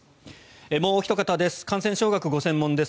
もうおひと方です。